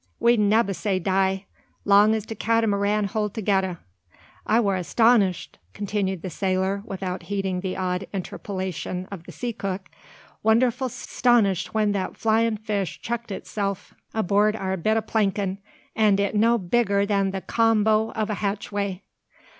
We nebba say die, long 's de Catamaran hold togedda." "I war 'stonished," continued the sailor, without heeding the odd interpolation of the sea cook, "wonderful 'stonished when that flyin' fish chucked itself aboard our bit o' plankin', an' it no bigger than the combin' o' a hatchway.